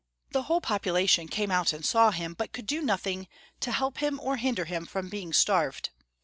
The whole population came out and saw him, but could do nothing to help liim, or liinder him from being starved.